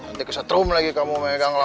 nanti kesetrum lagi kamu megang